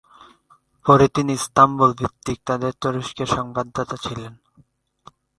পরে তিনি ইস্তাম্বুল ভিত্তিক তাদের তুরস্কের সংবাদদাতা ছিলেন।